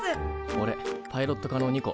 おれパイロット科のニコ。